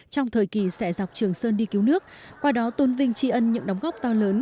trong thời kỳ xẻ dọc trường sơn đi cứu nước qua đó tôn vinh tri ân những đóng góp to lớn